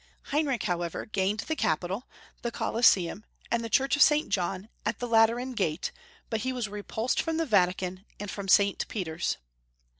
Heinrich, however, gained the Capitol, the Colosseum, and the Church of St. John at the Lateran Gate, but he was re pulsed from the Vatican and from St. Peter's.